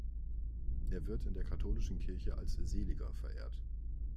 Er wird in der katholischen Kirche als Seliger verehrt.